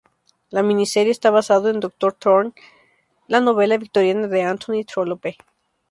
La miniserie está basados en "Doctor Thorne", la novela victoriana de Anthony Trollope.